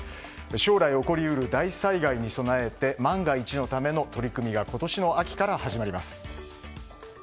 将来起こり得る大災害に備えて万が一のための取り組みが今年の秋から始まります。